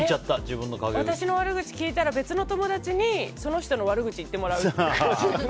私の悪口聞いたら、別の友達にその人の悪口を言ってもらう。